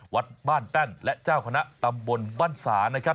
วัดบ้านแป้นและเจ้าคณะตำบลบ้านสานะครับ